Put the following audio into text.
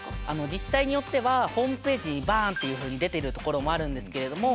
自治体によってはホームページにバーンっていうふうに出てるところもあるんですけれども。